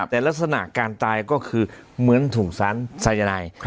แต่ลักษณะการตายก็คือเหมือนถูกสารสายนาย